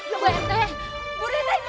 bokang mau sakit aja